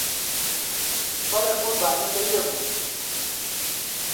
بەڵێ قوربان من لەوێ بووم!